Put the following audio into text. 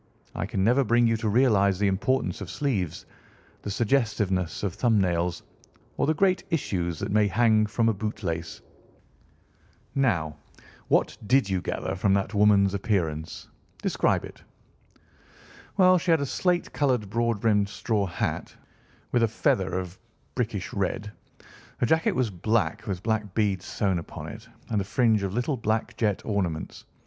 I can never bring you to realise the importance of sleeves, the suggestiveness of thumb nails, or the great issues that may hang from a boot lace. Now, what did you gather from that woman's appearance? Describe it." "Well, she had a slate coloured, broad brimmed straw hat, with a feather of a brickish red. Her jacket was black, with black beads sewn upon it, and a fringe of little black jet ornaments.